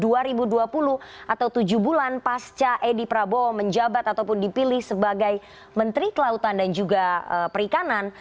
pada tahun dua ribu dua puluh atau tujuh bulan pasca edi prabowo menjabat ataupun dipilih sebagai menteri kelautan dan juga perikanan